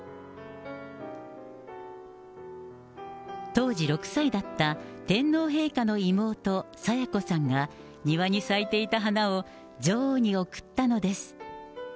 当時６歳だった天皇陛下の妹、清子さんが、庭に咲いていた花を女王に贈ったのです。